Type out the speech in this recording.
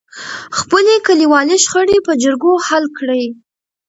خپلې کليوالې شخړې په جرګو حل کړئ.